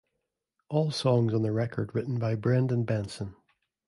All songs on the record written by Brendan Benson.